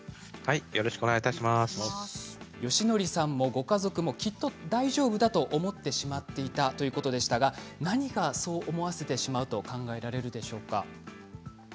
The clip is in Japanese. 芳徳さんもご家族もきっと大丈夫だと思ってしまっていたということですが何がそう思わせてしまうんでしょうか。